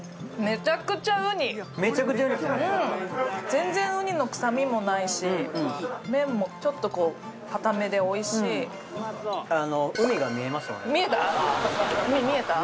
めちゃくちゃうにですよね全然うにの臭みもないし麺もちょっとこう硬めでおいしい見えた？